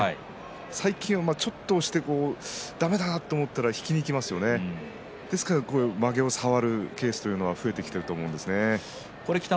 最近は、ちょっと押してだめだなと思ったら引きにいきますよねですから、まげを触るケースが増えてきていると思うんです。